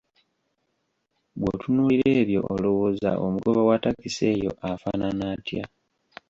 Bw'otunuulira ebyo olowooza omugoba wa takisi eyo afaanana atya?